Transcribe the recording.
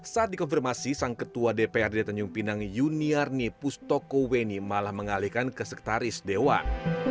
saat dikonfirmasi sang ketua dprd tanjung pinang yuniarni pustokoweni malah mengalihkan kesektaris dewan